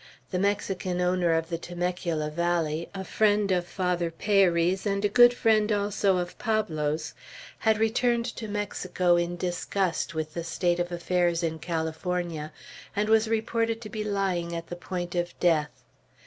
The Mexican owner of the Temecula valley, a friend of Father Peyri's, and a good friend also of Pablo's, had returned to Mexico in disgust with the state of affairs in California, and was reported to be lying at the point of death.